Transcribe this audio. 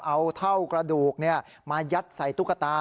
เอาเท่ากระดูกมายัดใส่ตุ๊กตา